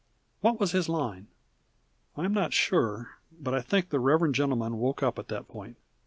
What was his line?" I am not sure, but I think the reverend gentleman woke up at that point.